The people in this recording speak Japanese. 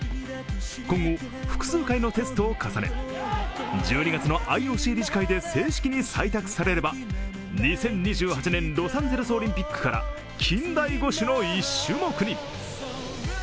今後、複数回のテストを重ね、１２月のＩＯＣ理事会で正式に採択されれば、２０２８年ロサンゼルスオリンピックから近代五種の１種目に。